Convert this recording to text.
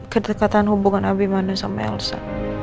kedekatan hubungan abimana sama elsa